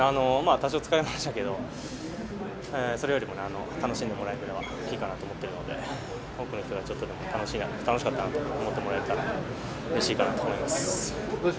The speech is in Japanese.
多少疲れましたけどそれよりも楽しんでもらえるのがいいかなと思っているので多くの人にちょっとでも楽しかったなと思ってもらえたらうれしいかなと思います。